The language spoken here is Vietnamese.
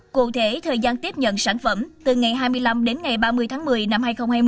cụ thể thời gian tiếp nhận sản phẩm từ ngày hai mươi năm đến ngày ba mươi tháng một mươi năm hai nghìn hai mươi